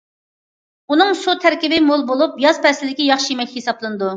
ئۇنىڭ سۇ تەركىبى مول بولۇپ، ياز پەسلىدىكى ياخشى يېمەكلىك ھېسابلىنىدۇ.